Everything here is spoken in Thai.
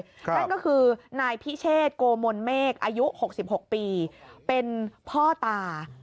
นั่นก็คือนายพิเชษโกมนเมฆอายุ๖๖ปีเป็นพ่อตา